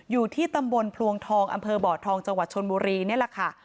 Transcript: อยู่ที่ตำบลพลวงทองอำเภอบอดทองจาวชนบุรีนะละคะ